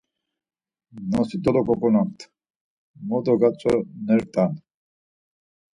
Nosi dologokunamt mo dogatzonert̆an.